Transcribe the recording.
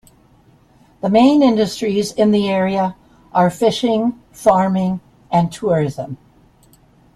The main industries in the area are fishing, farming, and tourism.